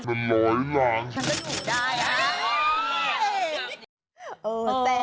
ฉันก็อยู่ได้